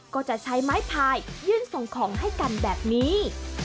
ก็จะใช้ไม้พายยื่นส่งของให้กันแบบนี้